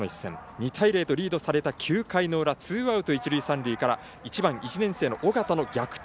２対０とリードされた９回の裏ツーアウト一塁、三塁から１番、１年生の緒方の逆転